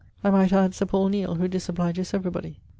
I might add Sir Paul Neile, who disobliges everybody.